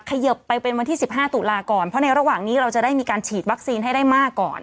เขยิบไปเป็นวันที่๑๕ตุลาก่อนเพราะในระหว่างนี้เราจะได้มีการฉีดวัคซีนให้ได้มากก่อน